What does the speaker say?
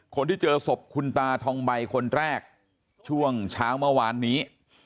คนที่เจอศพคุณตาทองใบคนแรกช่วงเช้าเมื่อวานนี้